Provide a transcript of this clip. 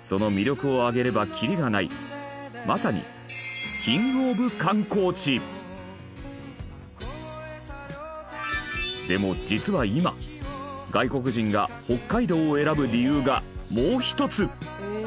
その魅力を挙げればきりがないまさにでも実は今外国人が北海道を選ぶ理由がもう１つ。